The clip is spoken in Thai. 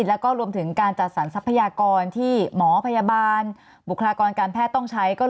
แล้วก็รวมถึงการจัดสรรทรัพยากรที่หมอพยาบาลบุคลากรการแพทย์ต้องใช้